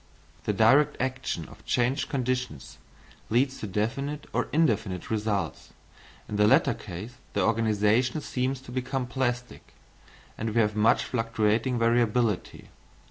The direct action of changed conditions leads to definite or indefinite results. In the latter case the organisation seems to become plastic, and we have much fluctuating variability.